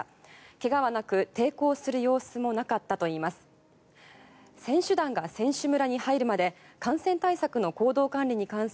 怪我はなく抵抗する様子もなかったといいます。